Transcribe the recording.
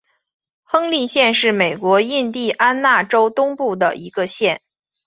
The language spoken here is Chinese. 亨利县是美国印地安纳州东部的一个县。